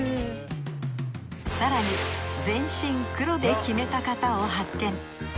更に全身黒で決めた方を発見。